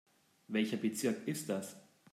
Welcher Bezirk ist das?